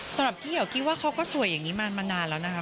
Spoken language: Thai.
สำหรับพี่เหี่ยวกี้ว่าเขาก็สวยอย่างนี้มานานแล้วนะคะ